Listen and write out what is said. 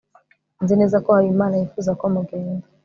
nzi neza ko habimana yifuza ko mugenda